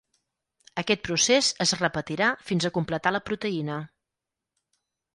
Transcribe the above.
Aquest procés es repetirà fins a completar la proteïna.